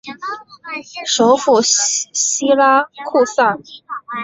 首府锡拉库萨。